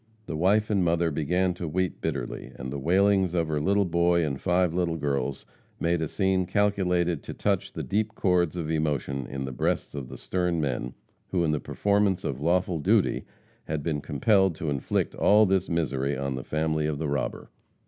The wife and mother began to weep bitterly, and the wailings of her little boy and five little girls, made a scene calculated to touch the deep chords of emotion in the breasts of the stern men, who in the performance of lawful duty had been compelled to inflict all this misery on the family of the robber.